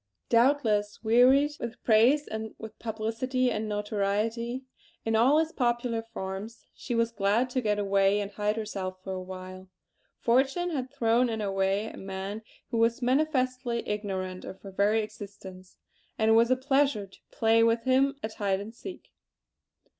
Doubtless, wearied with praise and with publicity and notoriety in all its popular forms, she was glad to get away and hide herself for a while. Fortune had thrown in her way a man who was manifestly ignorant of her very existence; and it was a pleasure to play with him at hide and seek!